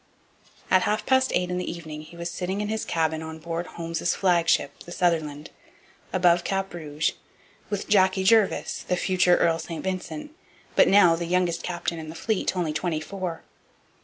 At half past eight in the evening he was sitting in his cabin on board Holmes's flagship, the Sutherland, above Cap Rouge, with 'Jacky Jervis' the future Earl St Vincent, but now the youngest captain in the fleet, only twenty four.